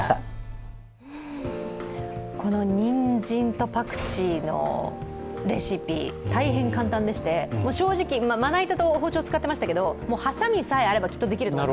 このにんじんとパクチーのレシピ、大変簡単でして、正直、まな板と包丁を使ってましたけど、はさみさえあればきっとできると思う。